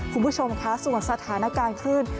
คุณผู้ชมค่ะส่วนสถานการณ์คลื่น